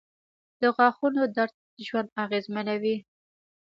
• د غاښونو درد ژوند اغېزمنوي.